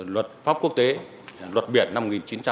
luật pháp quốc tế luật biển năm một nghìn chín trăm tám mươi hai